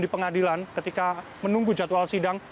di pengadilan ketika menunggu jadwal sidang